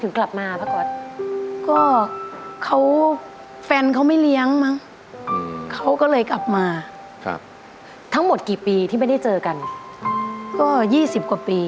ถ้ามั่ว่า๒๐๐กว่าปี